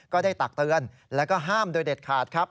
ตักเตือนแล้วก็ห้ามโดยเด็ดขาดครับ